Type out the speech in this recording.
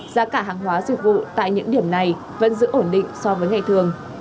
giá cả hàng hóa dịch vụ tại những điểm này vẫn giữ ổn định so với ngày thường